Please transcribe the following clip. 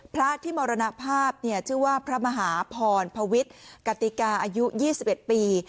พระที่มรณภาพชื่อว่าพระมหาพรพวิทย์กติกาอายุ๒๑ปี